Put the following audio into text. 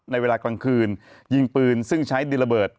เวลากลางคืนยิงปืนซึ่งใช้ดินระเบิด